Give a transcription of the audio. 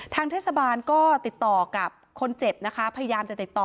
ทางเทศบาลก็ติดต่อกับคนเจ็บนะคะพยายามจะติดต่อ